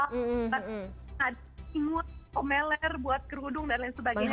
buat nadi mulut komeler buat kerudung dan lain sebagainya